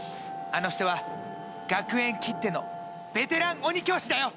あの人は学園きってのベテラン鬼教師だよ！